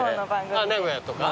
名古屋とか？